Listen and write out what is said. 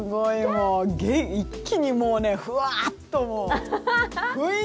もう一気にもうねふわっともう雰囲気が。